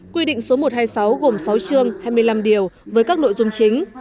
quy định số một trăm hai mươi sáu gồm sáu chương hai mươi năm điều với các nội dung chính